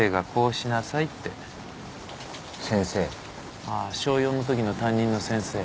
先生？あっ小４のときの担任の先生。